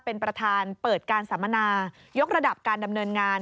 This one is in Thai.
เป็นประธานเปิดการสัมมนายกระดับการดำเนินงาน